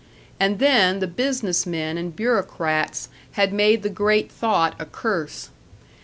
And then the business men and bureaucrats had made the great thought a curse.